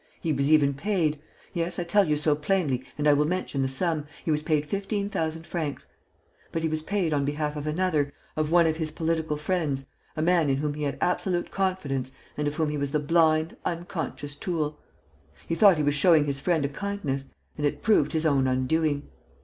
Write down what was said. He was even paid yes, I tell you so plainly and I will mention the sum he was paid fifteen thousand francs. But he was paid on behalf of another, of one of his political friends, a man in whom he had absolute confidence and of whom he was the blind, unconscious tool. He thought he was showing his friend a kindness; and it proved his own undoing.